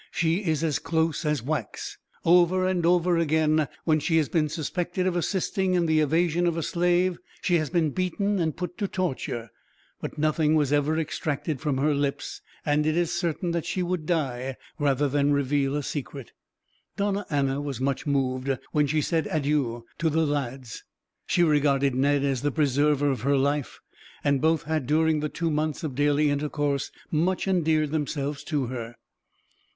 "She is as close as wax. Over and over again, when she has been suspected of assisting in the evasion of a slave, she has been beaten and put to torture; but nothing was ever extracted from her lips, and it is certain that she would die, rather than reveal a secret." Donna Anna was much moved, when she said adieu to the lads. She regarded Ned as the preserver of her life; and both had, during the two months of daily intercourse, much endeared themselves to her.